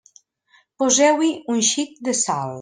Poseu-hi un xic de sal.